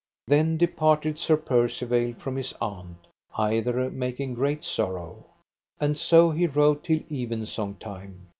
Then departed Sir Percivale from his aunt, either making great sorrow. And so he rode till evensong time.